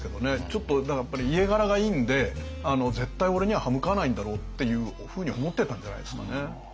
ちょっとだからやっぱり家柄がいいんで絶対俺には刃向かわないんだろうっていうふうに思ってたんじゃないですかね。